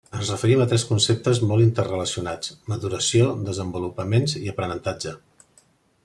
Ens referim a tres conceptes molt interrelacionats: maduració, desenvolupaments i aprenentatge.